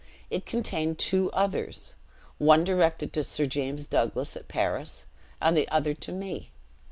It contained two others. One directed to Sir James Douglas, at Paris, and the other to me.